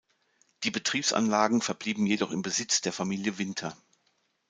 Die Betriebsanlagen verblieben jedoch im Besitz der Familie Winter.